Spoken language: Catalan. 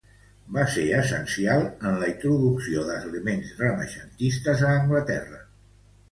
Va ser essencial en la introducció d'elements renaixentistes a Anglaterra.